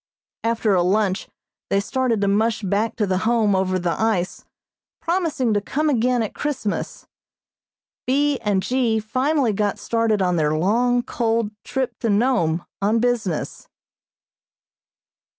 After a lunch they started to mush back to the Home over the ice, promising to come again at Christmas. B. and G. finally got started on their long, cold trip to Nome on business.